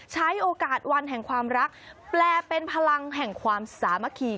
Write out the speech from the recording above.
ใช้โอกาสวันแห่งความรักแปลเป็นพลังแห่งความสามัคคี